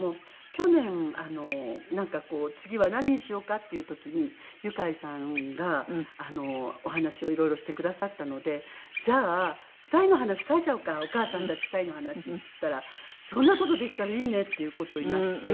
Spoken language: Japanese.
去年なんか次は何にしようか？っていう時にユカイさんがお話を色々してくださったので「じゃあ２人の話書いちゃおうかお母さんたち２人の話」って言ったら「そんな事できたらいいね」っていう事になって。